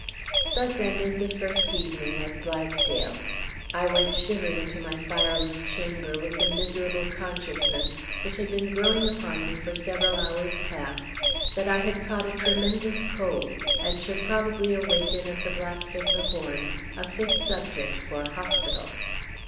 Thus ended the first evening at Blithedale. I went shivering to my fireless chamber, with the miserable consciousness (which had been growing upon me for several hours past) that I had caught a tremendous cold, and should probably awaken, at the blast of the horn, a fit subject for a hospital.